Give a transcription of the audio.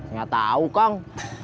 nggak tahu kang